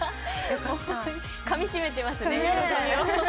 かみ締めてますね。